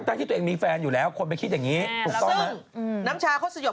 ตั้งกูมีแฟนอยู่แล้วควรไปคิดอย่างนี้